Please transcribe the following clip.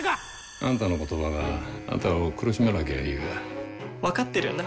あんたの言葉があんたを苦しめなきゃいいが。分かってるんだ。